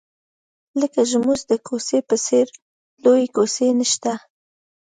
لکه زموږ د کوڅې په څېر لویې کوڅې نشته.